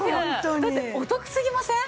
だってお得すぎません？